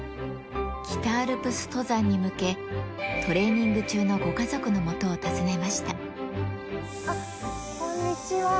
北アルプス登山に向け、トレーニング中のご家族のもとを訪ねましこんにちは。